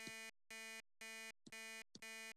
په هغه وخت کې له اسراییلو سره معاهده ایران ته روا وه.